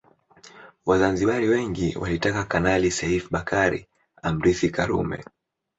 Wazanzibari wengi walitaka Kanali Seif Bakari amrithi Karume